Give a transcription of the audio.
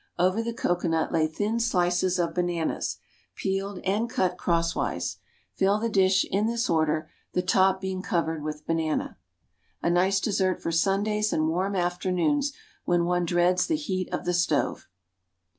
Over the cocoanut lay thin slices of bananas, peeled and cut crosswise. Fill the dish in this order, the top being covered with banana. A nice dessert for Sundays and warm afternoons when one dreads the heat of the stove.